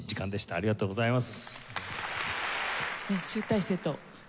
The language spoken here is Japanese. ありがとうございます。